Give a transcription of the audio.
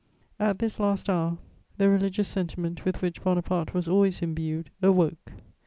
] At this last hour, the religious sentiment with which Bonaparte was always imbued awoke.